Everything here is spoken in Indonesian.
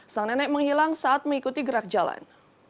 sang nenek menghilang saat mengikuti gerak jalan